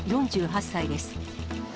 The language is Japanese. ４８歳です。